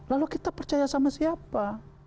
lalu kita percaya sama siapa